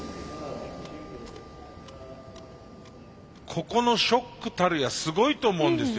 ここのショックたるやすごいと思うんですよ。